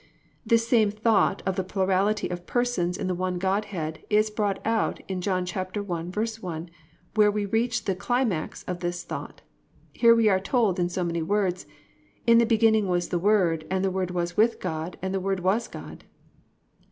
6. This same thought of the plurality of persons in the one Godhead is brought out in John 1:1, where we reach the very climax of this thought. Here we are told in so many words: +"In the beginning was the word and the word was with God and the word was God."